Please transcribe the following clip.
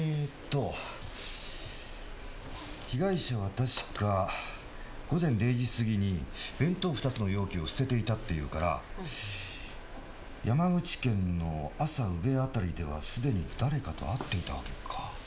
確か午前０時過ぎに弁当２つの容器を捨てていたっていうから山口県の厚狭宇部辺りではすでに誰かと会っていた訳か。